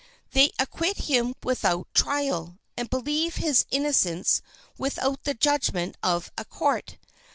They acquit him without trial, and believe his innocence without the judgment of a court.